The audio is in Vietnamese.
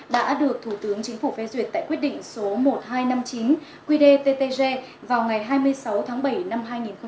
đã được thủ tướng chính phủ phê duyệt tại quyết định số một nghìn hai trăm năm mươi chín qdttg vào ngày hai mươi sáu tháng bảy năm hai nghìn một mươi chín